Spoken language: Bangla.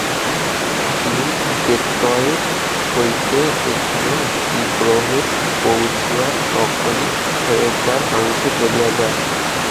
তিনি ডেট্রয়েট হইতে এখানে দ্বিপ্রহরে পৌঁছিয়া তখনই ফ্রেজার হাউসে চলিয়া যান।